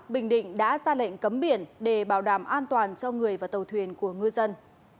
bình định đã ra lệnh cấm biển để bảo đảm an toàn cho người và tàu thuyền của ngư dân